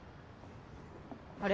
あれ？